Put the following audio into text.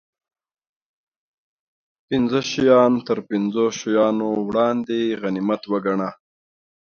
پنځه شیان تر پنځو شیانو وړاندې غنیمت و ګڼه